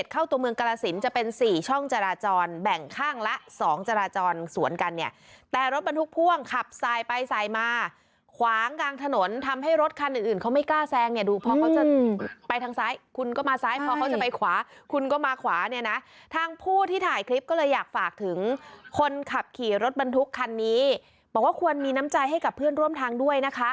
์เข้าเมืองกราศิลป์จะเป็น๔ช่องจาราจรแบ่งข้างละ๒จาราจรดนี้สวนกันเนี่ยแต่รถบรรทุกพ่วงครับซ้าย